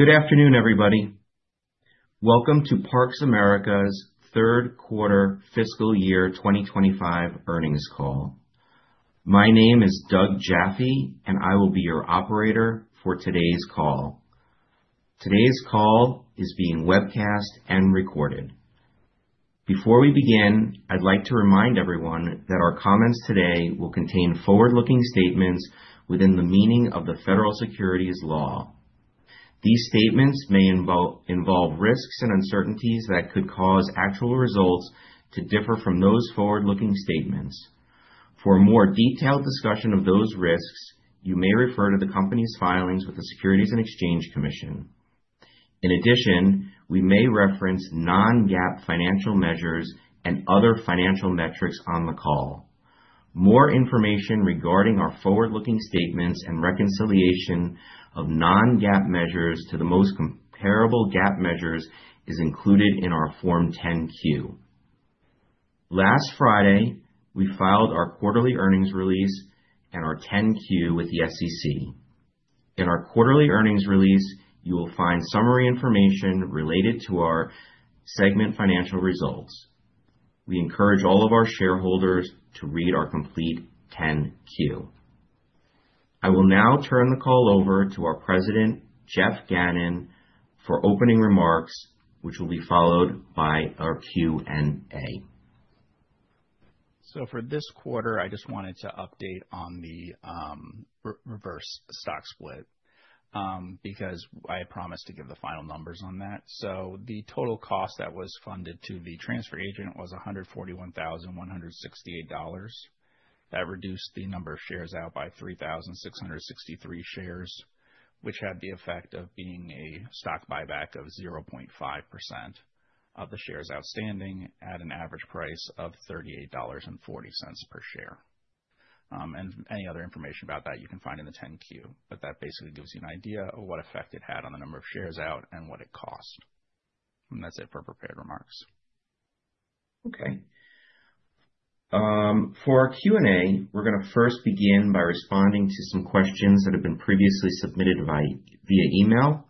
Good afternoon, everybody. Welcome to Parks! America's Third Quarter Fiscal Year 2025 Earnings Call. My name is Doug Jaffe, and I will be your operator for today's call. Today's call is being webcast and recorded. Before we begin, I'd like to remind everyone that our comments today will contain forward-looking statements within the meaning of the Federal Securities Law. These statements may involve risks and uncertainties that could cause actual results to differ from those forward-looking statements. For a more detailed discussion of those risks, you may refer to the company's filings with the Securities and Exchange Commission. In addition, we may reference non-GAAP financial measures and other financial metrics on the call. More information regarding our forward-looking statements and reconciliation of non-GAAP measures to the most comparable GAAP measures is included in our Form 10-Q. Last Friday, we filed our quarterly earnings release and our 10-Q with the SEC. In our quarterly earnings release, you will find summary information related to our segment financial results. We encourage all of our shareholders to read our complete 10-Q. I will now turn the call over to our President, Geoffrey Gannon, for opening remarks, which will be followed by our Q&A. For this quarter, I just wanted to update on the reverse stock split, because I promised to give the final numbers on that. The total cost that was funded to the transfer agent was $141,168. That reduced the number of shares out by 3,663 shares, which had the effect of being a stock buyback of 0.5% of the shares outstanding at an average price of $38.40 per share. Any other information about that you can find in the 10-Q, but that basically gives you an idea of what effect it had on the number of shares out and what it costs. That's it for prepared remarks. Okay. For our Q&A, we're going to first begin by responding to some questions that have been previously submitted via email.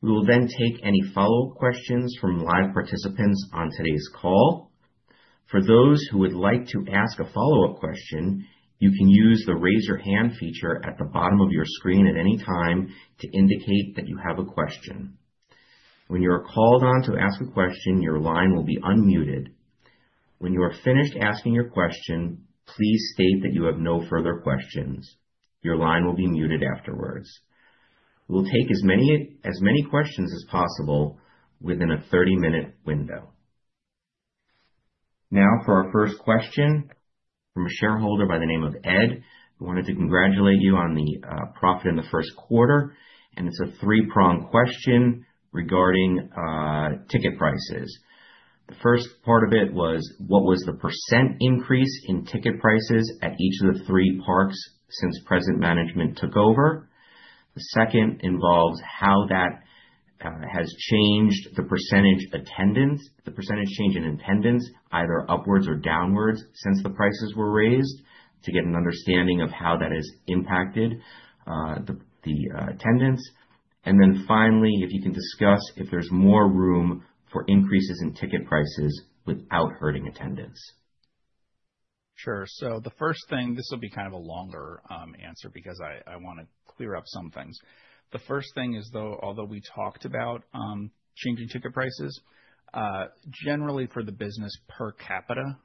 We will then take any follow-up questions from live participants on today's call. For those who would like to ask a follow-up question, you can use the Raise Your Hand feature at the bottom of your screen at any time to indicate that you have a question. When you are called on to ask a question, your line will be unmuted. When you are finished asking your question, please state that you have no further questions. Your line will be muted afterwards. We'll take as many questions as possible within a 30-minute window. Now for our first question from a shareholder by the name of Ed. I wanted to congratulate you on the profit in the first quarter. It's a three-prong question regarding ticket prices. The first part of it was what was the percent increase in ticket prices at each of the three parks since present management took over? The second involves how that has changed the percentage attendance, the percentage change in attendance, either upwards or downwards since the prices were raised, to get an understanding of how that has impacted the attendance. Finally, if you can discuss if there's more room for increases in ticket prices without hurting attendance. Sure. The first thing, this will be kind of a longer answer because I want to clear up some things. The first thing is, though, although we talked about changing ticket prices, generally for the business, per capita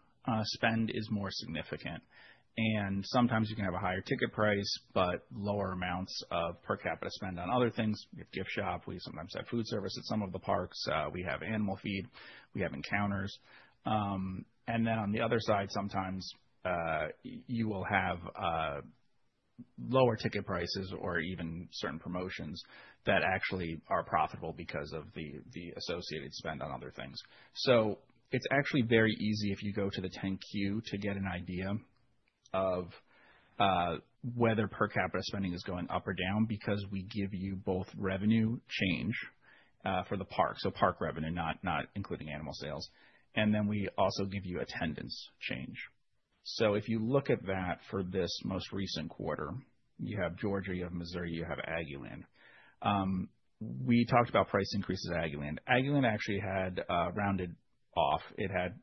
spend is more significant. Sometimes you can have a higher ticket price, but lower amounts of per capita spend on other things. We have gift shop. We sometimes have food service at some of the parks. We have animal feed. We have encounters. On the other side, sometimes you will have lower ticket prices or even certain promotions that actually are profitable because of the associated spend on other things. It is actually very easy if you go to the 10-Q to get an idea of whether per capita spending is going up or down because we give you both revenue change for the parks, so park revenue, not including animal sales. We also give you attendance change. If you look at that for this most recent quarter, you have Georgia, you have Missouri, you have Aggieland. We talked about price increases at Aggieland. Aggieland actually had, rounded off,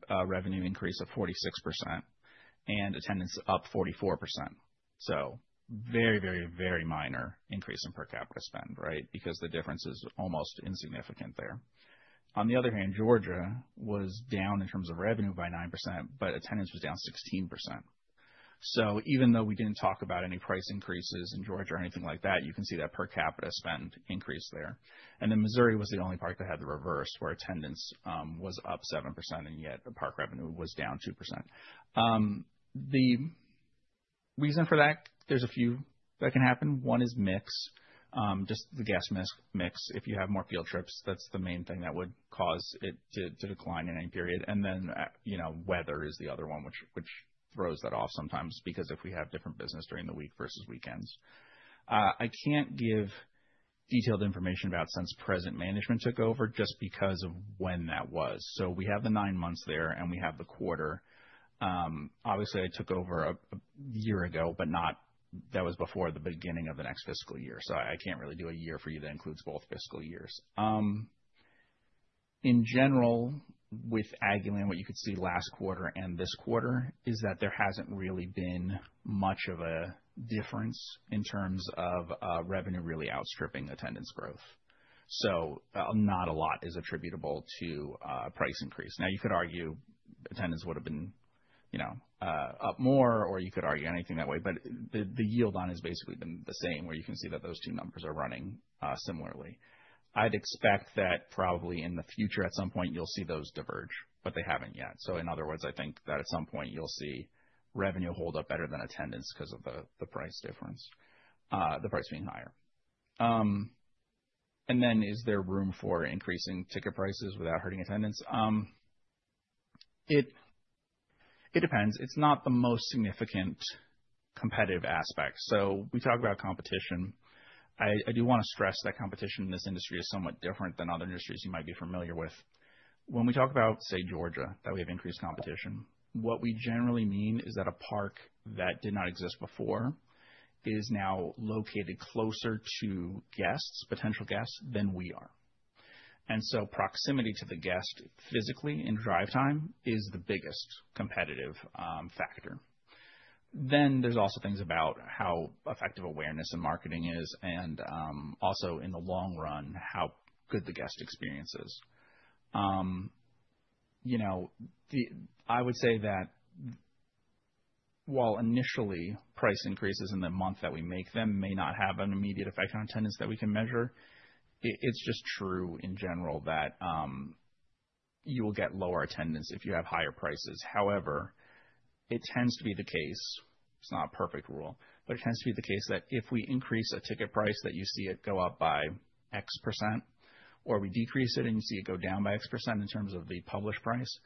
a revenue increase of 46% and attendance up 44%. Very, very, very minor increase in per capita spend, right? The difference is almost insignificant there. On the other hand, Georgia was down in terms of revenue by 9%, but attendance was down 16%. Even though we did not talk about any price increases in Georgia or anything like that, you can see that per capita spend increased there. Missouri was the only park that had the reverse where attendance was up 7% and yet the park revenue was down 2%. The reason for that, there are a few that can happen. One is mix, just the guest mix. If you have more field trips, that is the main thing that would cause it to decline in any period. Weather is the other one, which throws that off sometimes because if we have different business during the week versus weekends. I cannot give detailed information about since present management took over just because of when that was. We have the nine months there and we have the quarter. Obviously, I took over a year ago, but that was before the beginning of the next fiscal year. I cannot really do a year for you that includes both fiscal years. In general, with Aggieland, what you could see last quarter and this quarter is that there has not really been much of a difference in terms of revenue really outstripping attendance growth. Not a lot is attributable to a price increase. You could argue attendance would have been up more or you could argue anything that way. The yield on has basically been the same where you can see that those two numbers are running similarly. I'd expect that probably in the future at some point you'll see those diverge, but they haven't yet. In other words, I think that at some point you'll see revenue hold up better than attendance because of the price difference, the price being higher. Is there room for increasing ticket prices without hurting attendance? It depends. It's not the most significant competitive aspect. We talk about competition. I do want to stress that competition in this industry is somewhat different than other industries you might be familiar with. When we talk about, say, Georgia, that we have increased competition, what we generally mean is that a park that did not exist before is now located closer to guests, potential guests than we are. Proximity to the guest physically in drive time is the biggest competitive factor. There are also things about how effective awareness and marketing is and also in the long run, how good the guest experience is. I would say that while initially price increases in the month that we make them may not have an immediate effect on attendance that we can measure, it's just true in general that you will get lower attendance if you have higher prices. However, it tends to be the case, it's not a perfect rule, but it tends to be the case that if we increase a ticket price that you see it go up by X% or we decrease it and you see it go down by X% in terms of the published price,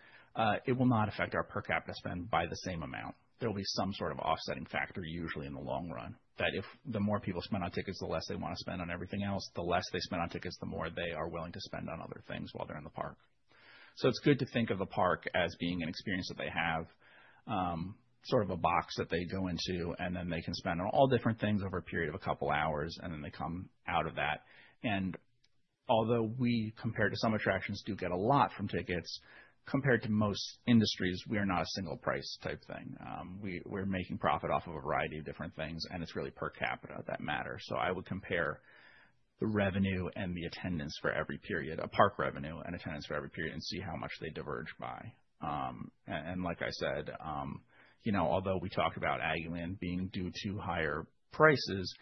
it will not affect our per capita spend by the same amount. There will be some sort of offsetting factor usually in the long run that if the more people spend on tickets, the less they want to spend on everything else, the less they spend on tickets, the more they are willing to spend on other things while they're in the park. It's good to think of a park as being an experience that they have, sort of a box that they go into, and then they can spend on all different things over a period of a couple of hours, and then they come out of that. Although we compared to some attractions do get a lot from tickets, compared to most industries, we are not a single price type thing. We're making profit off of a variety of different things, and it's really per capita that matters. I would compare the revenue and the attendance for every period, a park revenue and attendance for every period, and see how much they diverge by. Like I said, although we talked about Aggieland being due to higher prices,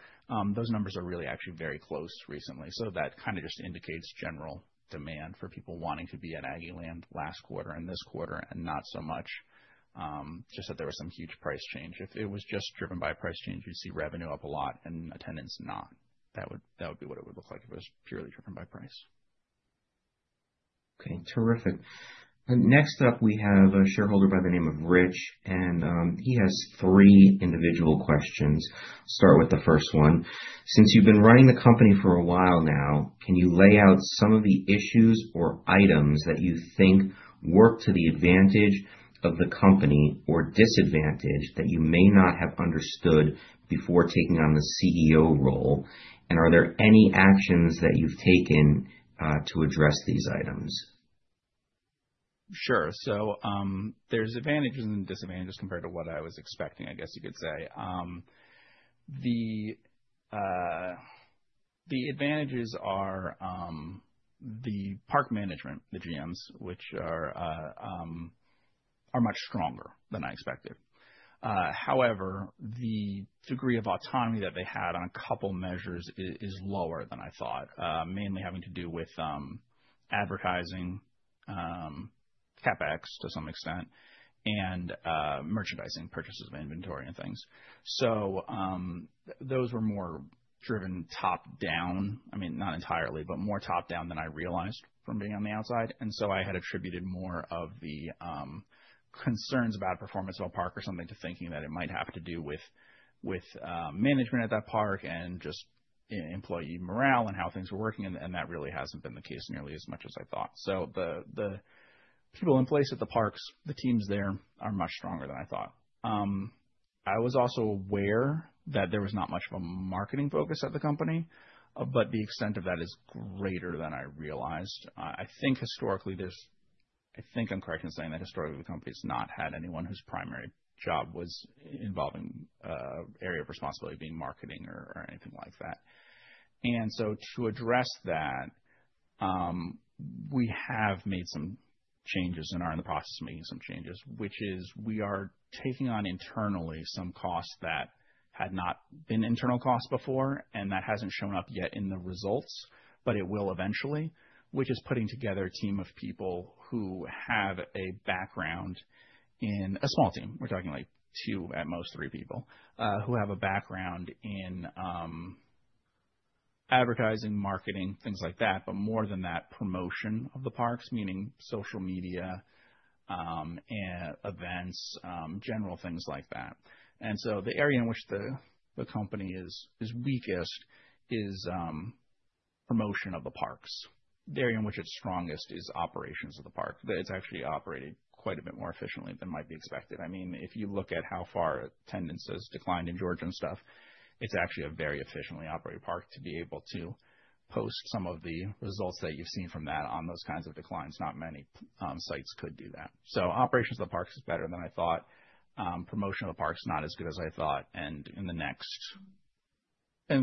those numbers are really actually very close recently. That kind of just indicates general demand for people wanting to be at Aggieland last quarter and this quarter and not so much just that there was some huge price change. If it was just driven by a price change, we'd see revenue up a lot and attendance not. That would be what it would look like if it was purely driven by price. Okay, terrific. Next up, we have a shareholder by the name of Rich, and he has three individual questions. Start with the first one. Since you've been running the company for a while now, can you lay out some of the issues or items that you think work to the advantage of the company or disadvantage that you may not have understood before taking on the CEO role? Are there any actions that you've taken to address these items? Sure. There are advantages and disadvantages compared to what I was expecting, I guess you could say. The advantages are the park management, the GMs, which are much stronger than I expected. However, the degree of autonomy that they had on a couple of measures is lower than I thought, mainly having to do with advertising, CapEx to some extent, and merchandising, purchases of inventory and things. Those were more driven top down. I mean, not entirely, but more top down than I realized from being on the outside. I had attributed more of the concerns about performance of a park or something to thinking that it might have to do with management at that park and just employee morale and how things were working. That really hasn't been the case nearly as much as I thought. The people in place at the parks, the teams there are much stronger than I thought. I was also aware that there was not much of a marketing focus at the company, but the extent of that is greater than I realized. I think historically, I'm correct in saying that historically the company has not had anyone whose primary job was involving an area of responsibility being marketing or anything like that. To address that, we have made some changes and are in the process of making some changes, which is we are taking on internally some costs that had not been internal costs before, and that hasn't shown up yet in the results, but it will eventually, which is putting together a team of people who have a background in a small team. We're talking like two, at most three people, who have a background in advertising, marketing, things like that, but more than that, promotion of the parks, meaning social media, events, general things like that. The area in which the company is weakest is promotion of the parks. The area in which it's strongest is operations of the park. It's actually operated quite a bit more efficiently than might be expected. If you look at how far attendance has declined in Georgia and stuff, it's actually a very efficiently operated park to be able to post some of the results that you've seen from that on those kinds of declines. Not many sites could do that. Operations of the parks is better than I thought. Promotion of the parks is not as good as I thought. In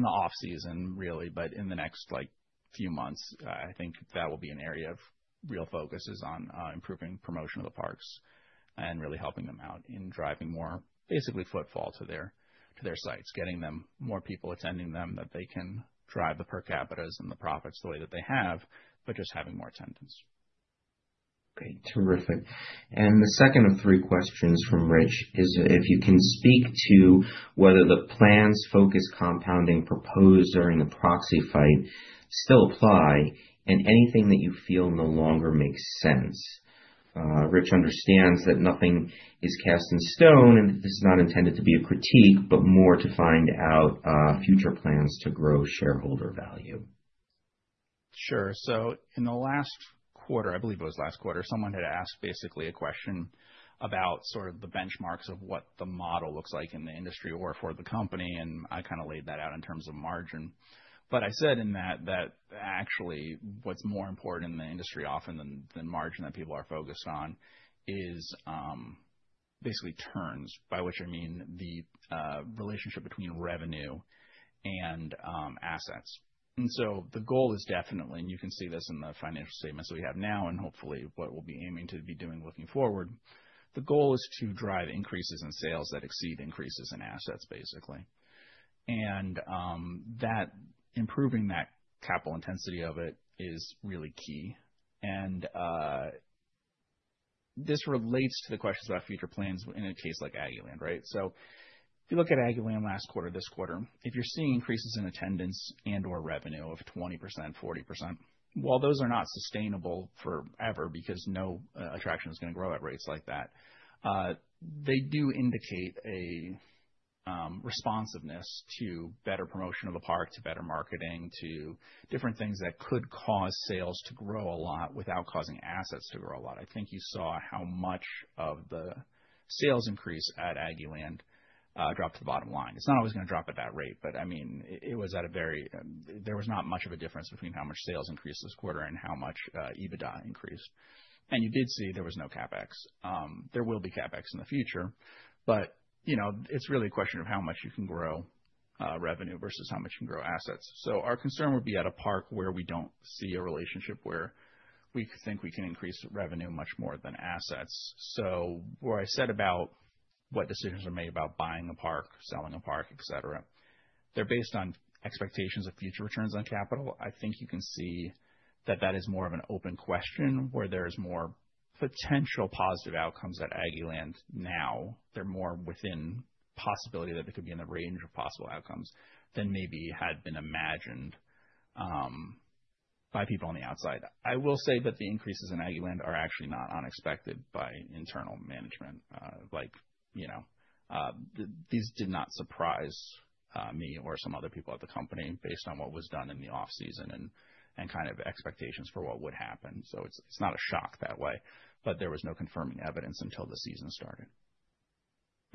the offseason, really, but in the next few months, I think that will be an area of real focus, improving promotion of the parks and really helping them out in driving more, basically, footfall to their sites, getting them more people attending them that they can drive the per capitas and the profits the way that they have, but just having more attendance. Okay, terrific. The second of three questions from Rich is if you can speak to whether the plans focused compounding proposed during the proxy fight still apply and anything that you feel no longer makes sense. Rich understands that nothing is cast in stone and this is not intended to be a critique, but more to find out future plans to grow shareholder value. Sure. In the last quarter, I believe it was last quarter, someone had asked basically a question about sort of the benchmarks of what the model looks like in the industry or for the company. I kind of laid that out in terms of margin. I said in that that actually what's more important in the industry often than the margin that people are focused on is basically turns, by which I mean the relationship between revenue and assets. The goal is definitely, and you can see this in the financial statements that we have now and hopefully what we'll be aiming to be doing looking forward, the goal is to drive increases in sales that exceed increases in assets, basically. Improving that capital intensity of it is really key. This relates to the questions about future plans in a case like Aggieland, right? If you look at Aggieland last quarter, this quarter, if you're seeing increases in attendance and/or revenue of 20%, 40%, while those are not sustainable forever because no attraction is going to grow at rates like that, they do indicate a responsiveness to better promotion of a park, to better marketing, to different things that could cause sales to grow a lot without causing assets to grow a lot. I think you saw how much of the sales increase at Aggieland dropped to the bottom line. It's not always going to drop at that rate, but I mean, it was at a very, there was not much of a difference between how much sales increased this quarter and how much EBITDA increased. You did see there was no CapEx. There will be CapEx in the future, but it's really a question of how much you can grow revenue versus how much you can grow assets. Our concern would be at a park where we don't see a relationship where we think we can increase revenue much more than assets. Where I said about what decisions are made about buying a park, selling a park, etc., they're based on expectations of future returns on capital. I think you can see that that is more of an open question where there is more potential positive outcomes at Aggieland now. They're more within possibility that they could be in the range of possible outcomes than maybe had been imagined by people on the outside. I will say that the increases in Aggieland are actually not unexpected by internal management. These did not surprise me or some other people at the company based on what was done in the offseason and kind of expectations for what would happen. It's not a shock that way, but there was no confirming evidence until the season started.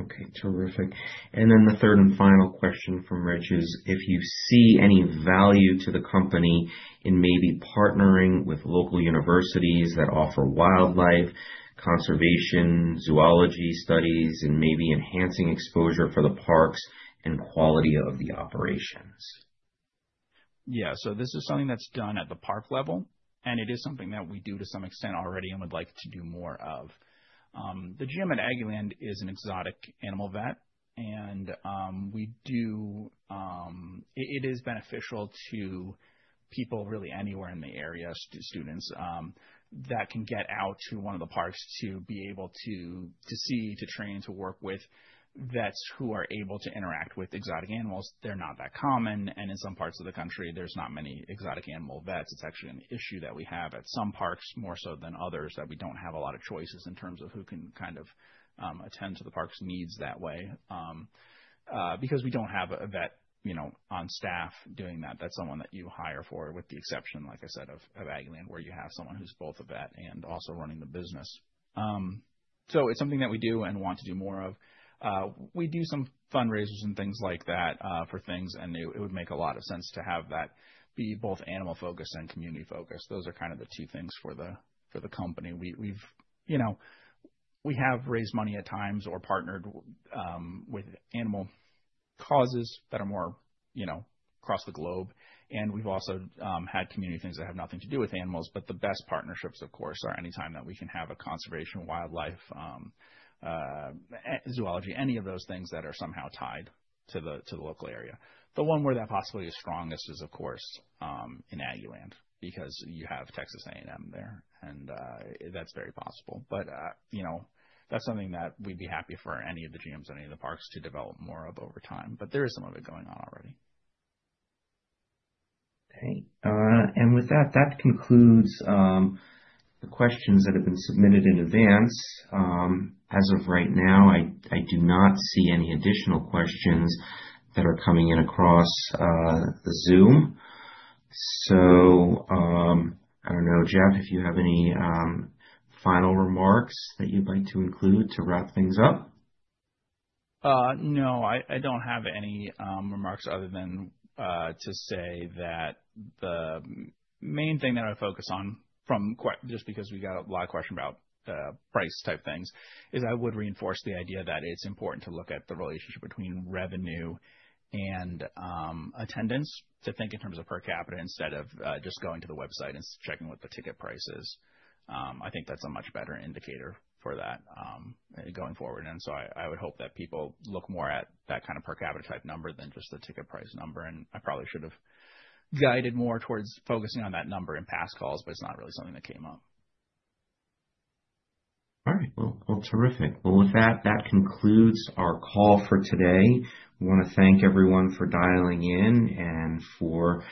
Okay, terrific. The third and final question from Rich is if you see any value to the company in maybe partnering with local universities that offer wildlife, conservation, zoology studies, and maybe enhancing exposure for the parks and quality of the operations. Yeah, so this is something that's done at the park level, and it is something that we do to some extent already and would like to do more of. The gym at Aggieland is an exotic animal vet, and it is beneficial to people really anywhere in the area, students, that can get out to one of the parks to be able to see, to train, to work with vets who are able to interact with exotic animals. They're not that common, and in some parts of the country, there's not many exotic animal vets. It's actually an issue that we have at some parks more so than others that we don't have a lot of choices in terms of who can kind of attend to the park's needs that way. Because we don't have a vet, you know, on staff doing that. That's someone that you hire for with the exception, like I said, of Aggieland where you have someone who's both a vet and also running the business. It's something that we do and want to do more of. We do some fundraisers and things like that for things, and it would make a lot of sense to have that be both animal-focused and community-focused. Those are kind of the two things for the company. We have raised money at times or partnered with animal causes that are more, you know, across the globe. We've also had community things that have nothing to do with animals, but the best partnerships, of course, are anytime that we can have a conservation, wildlife, zoology, any of those things that are somehow tied to the local area. The one where that possibility is strongest is, of course, in Aggieland because you have Texas A&M there, and that's very possible. That's something that we'd be happy for any of the gyms and any of the parks to develop more of over time. There is some of it going on already. Okay. With that, that concludes the questions that have been submitted in advance. As of right now, I do not see any additional questions that are coming in across the Zoom. I don't know, Geoff, if you have any final remarks that you'd like to include to wrap things up? No, I don't have any remarks other than to say that the main thing that I focus on from quite just because we got a lot of questions about price type things is I would reinforce the idea that it's important to look at the relationship between revenue and attendance to think in terms of per capita instead of just going to the website and checking what the ticket price is. I think that's a much better indicator for that going forward. I would hope that people look more at that kind of per capita type number than just the ticket price number. I probably should have guided more towards focusing on that number in past calls, but it's not really something that came up. All right. Terrific. With that, that concludes our call for today. We want to thank everyone for dialing in and for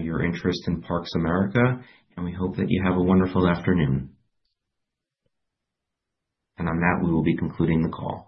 your interest in Parks! America. We hope that you have a wonderful afternoon. On that, we will be concluding the call.